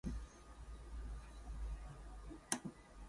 The station is located adjacent to the shopping center at Mortensrud.